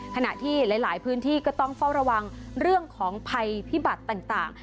ขณะที่หลายพื้นที่ก็ต้องเฝ้าระวังเรื่องของภัยพิบัติต่าง